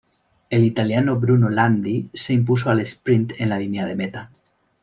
El italiano Bruno Landi se impuso al esprint en la línea de meta.